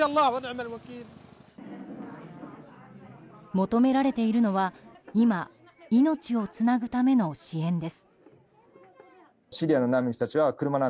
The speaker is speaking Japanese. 求められているのは今、命をつなぐための支援です。